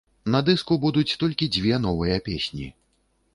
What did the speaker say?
На дыску будуць толькі дзве новыя песні.